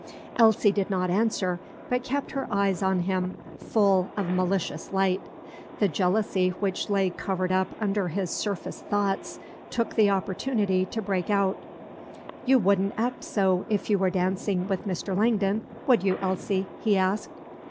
Elsie did not answer, but kept her eyes on him, full of malicious light. The jealousy which lay covered up under his surface thoughts took this opportunity to break out. "You would n't act so, if you were dancing with Mr. Langdon, would you, Elsie?" he asked.